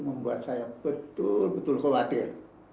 membuat saya betul betul